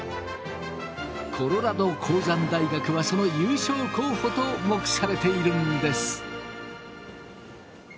コロラド鉱山大学はその優勝候補と目されているんです。